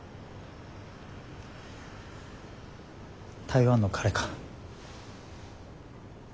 台湾の彼か。